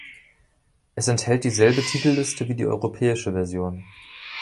Es enthält dieselbe Titelliste wie die europäische Version.